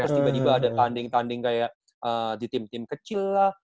terus tiba tiba ada tanding tanding kayak di tim tim kecil lah